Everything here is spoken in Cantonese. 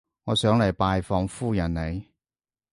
我想嚟拜訪夫人你